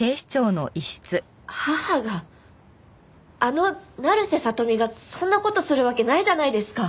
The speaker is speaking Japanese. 母があの成瀬聡美がそんな事するわけないじゃないですか。